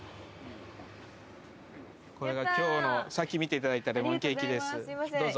これがきょうの、さっき見ていただいたレモンケーキです、どうぞ。